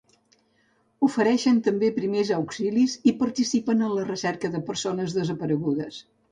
Ofereixen també primers auxilis i participen en la recerca de persones desaparegudes.